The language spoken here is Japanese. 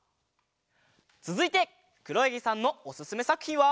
つづいてくろやぎさんのおすすめさくひんは。